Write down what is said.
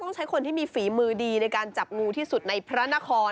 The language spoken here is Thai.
ใช้คนที่มีฝีมือดีในการจับงูที่สุดในพระนคร